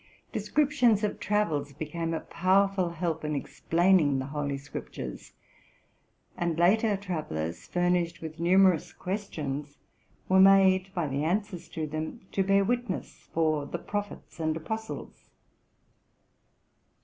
Descriptions of travels became a power ful help in explaining the Holy Scriptures ; and later travel lers, furnished with numerous questions, were made, by the answers to them, to bear witness for the prophets and apostles.